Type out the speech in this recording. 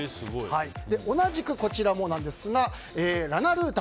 同じくこちらもなんですがラナルータ。